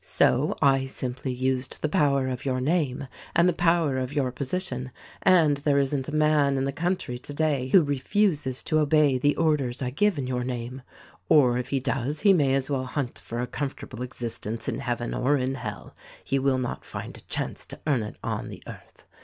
"So, I simply used the power of your name and the power of your position ; and there isn't a man in the country today who refuses to obey the orders I give in your name — or if he does he may as well hunt for a comfortable existence in heaven or in hell — he will not find a chance to earn it on the earth.